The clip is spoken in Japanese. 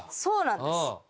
そうなんです。